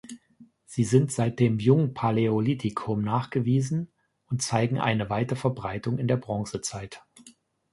Sie sind seit dem Jungpaläolithikum nachgewiesen und zeigen eine weite Verbreitung in der Bronzezeit.